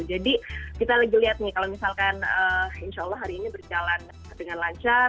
jadi kita lagi lihat nih kalau misalkan insya allah hari ini berjalan dengan lancar